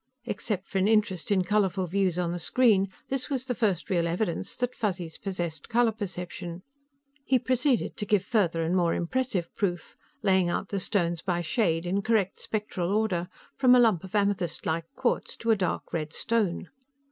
Except for an interest in colorful views on the screen, this was the first real evidence that Fuzzies possessed color perception. He proceeded to give further and more impressive proof, laying out the stones by shade, in correct spectral order, from a lump of amethystlike quartz to a dark red stone.